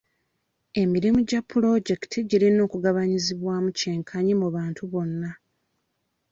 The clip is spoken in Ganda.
Emirimu gya pulojekiti girina okugabanyizibwaamu kyenkanyi mu bantu bonna.